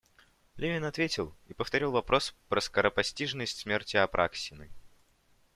Левин ответил и повторил вопрос про скоропостижность смерти Апраксиной.